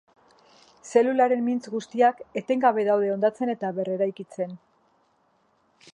Zelularen mintz guztiak etengabe daude hondatzen eta berreraikitzen.